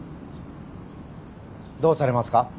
どうされますか？